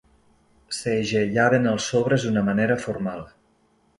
Segellaven els sobres d'una manera formal.